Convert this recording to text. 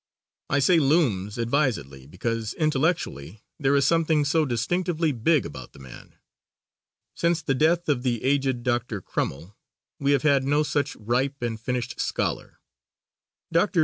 I say looms advisedly, because, intellectually, there is something so distinctively big about the man. Since the death of the aged Dr. Crummell, we have had no such ripe and finished scholar. Dr.